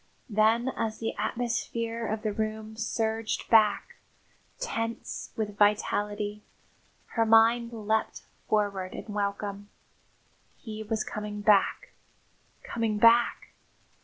Then, as the atmosphere of the room surged back, tense with vitality, her mind leapt forward in welcome. He was coming back, coming back!